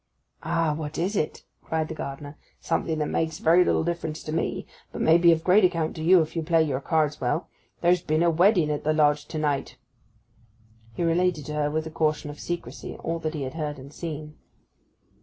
'Ah—what is it!' cried the gardener. 'Something that makes very little difference to me, but may be of great account to you, if you play your cards well. There's been a wedding at the Lodge to night!' He related to her, with a caution to secrecy, all that he had heard and seen.